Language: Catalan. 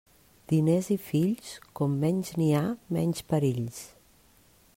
Diners i fills, com menys n'hi ha, menys perills.